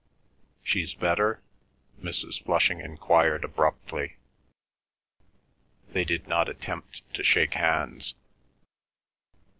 "She's better?" Mrs. Flushing enquired abruptly; they did not attempt to shake hands.